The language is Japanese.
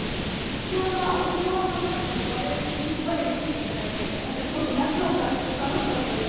貴重なお相撲さんたちのビーチバレー見せていただいて、なんかすごく夏を感じて、楽しかったです。